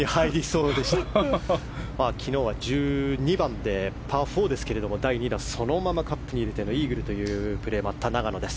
昨日は１２番で、パー４ですが第２打、そのままパットに入れてイーグルだったプレーもあった永野です。